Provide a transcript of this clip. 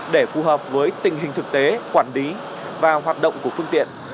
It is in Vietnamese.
để phù hợp với tình hình thực tế quản lý và hoạt động của phương tiện